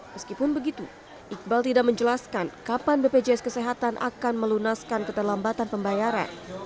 meskipun begitu iqbal tidak menjelaskan kapan bpjs kesehatan akan melunaskan keterlambatan pembayaran